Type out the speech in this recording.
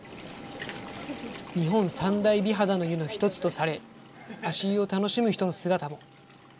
日本三大美肌の湯の一つとされ、足湯を楽しむ人の姿も。